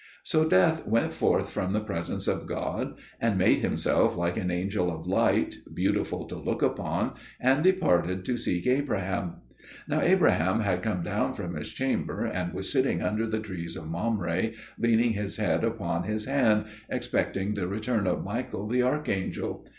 So Death went forth from the presence of God, and made himself like an angel of light, beautiful to look upon, and departed to seek Abraham. Now Abraham had come down from his chamber and was sitting under the trees of Mamre, leaning his head upon his hand, expecting the return of Michael the archangel.